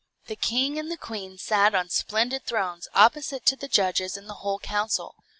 The king and the queen sat on splendid thrones opposite to the judges and the whole council.